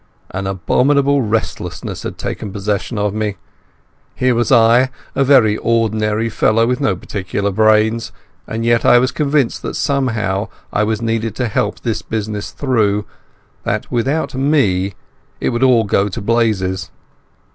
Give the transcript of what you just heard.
An abominable restlessness had taken possession of me. Here was I, a very ordinary fellow, with no particular brains, and yet I was convinced that somehow I was needed to help this business through—that without me it would all go to blazes.